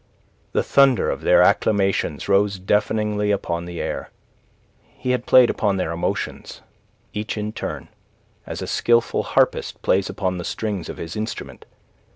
The thunder of their acclamations rose deafeningly upon the air. He had played upon their emotions each in turn as a skilful harpist plays upon the strings of his instrument.